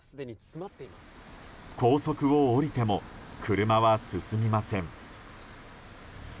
高速を降りても車は進みません。